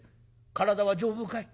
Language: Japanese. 「体は丈夫かい？」。